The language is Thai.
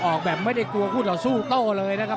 ออกแบบไม่ได้กลัวคู่ต่อสู้โต้เลยนะครับ